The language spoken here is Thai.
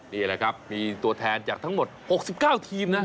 นี่แหละครับมีตัวแทนจากทั้งหมด๖๙ทีมนะ